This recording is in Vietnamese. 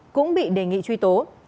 cũng bị đề nghị truy tố